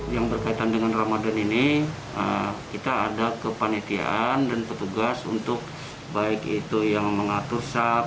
yang berkaitan dengan ramadan ini kita ada kepanitiaan dan petugas untuk baik itu yang mengatur syaf